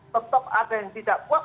tetap ada yang tidak puas